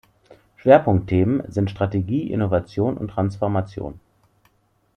Schwerpunktthemen sind Strategie, Innovation und Transformation.